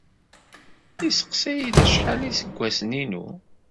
Yesseqsa-iyi-d acḥal iseggasen-inu.